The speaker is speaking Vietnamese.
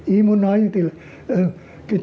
ý muốn nói